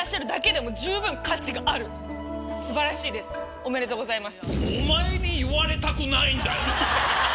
おめでとうございます。